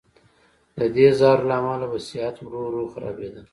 د دې زهرو له امله به صحت ورو ورو خرابېده.